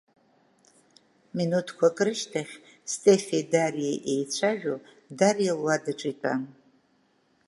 Минуҭқәак рышьҭахь Стефеи Дариеи еицәажәо, Дариа луадаҿы итәан.